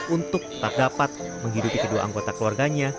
untuk tak dapat menghidupi kedua anggota keluarganya